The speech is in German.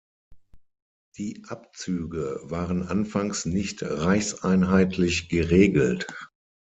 Die Abzüge waren anfangs nicht reichseinheitlich geregelt.